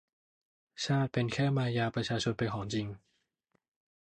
ชาติเป็นแค่มายาประชาเป็นของจริง